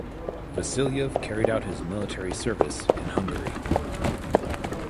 Vasilyev carried out his military service in Hungary.